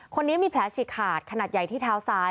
คนนี้มีแผลฉีกขาดขนาดใหญ่ที่เท้าซ้าย